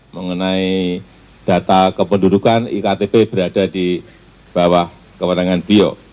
mengenai data kependudukan iktp berada di bawah kewenangan bio